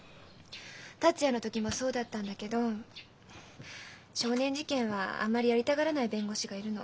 達也の時もそうだったんだけど少年事件はあまりやりたがらない弁護士がいるの。